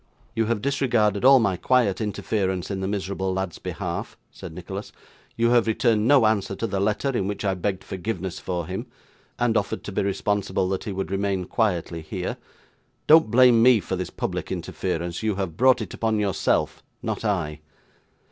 'You have disregarded all my quiet interference in the miserable lad's behalf,' said Nicholas; 'you have returned no answer to the letter in which I begged forgiveness for him, and offered to be responsible that he would remain quietly here. Don't blame me for this public interference. You have brought it upon yourself; not I.